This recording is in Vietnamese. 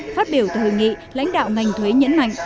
phát biểu tại hội nghị lãnh đạo ngành thuế nhấn mạnh